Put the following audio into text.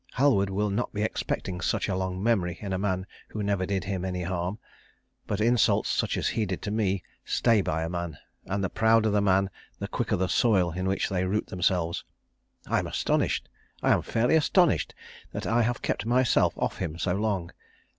Halward will not be expecting such a long memory in a man who never did him any harm. But insults such as he did to me stay by a man, and the prouder the man the quicker the soil in which they root themselves. I am astonished I am fairly astonished that I have kept myself off him so long.